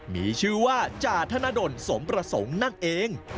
มีชื่อว่าจาธนดลสมประสงค์นั่นเอง